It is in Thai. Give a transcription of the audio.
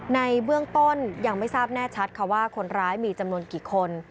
ในเบื้องต้นยังไม่ทราบแน่ชัดค่ะว่าคนร้ายมีจำนวนกี่คน